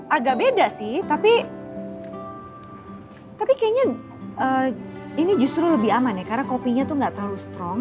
agak beda sih tapi kayaknya ini justru lebih aman ya karena kopinya tuh gak terlalu strong